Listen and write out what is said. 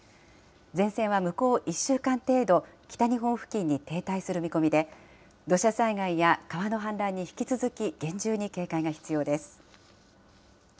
前線は向こう１週間程度、北日本付近に停滞する見込みで、土砂災害や川の氾濫に引き続き厳重な警戒が必要です。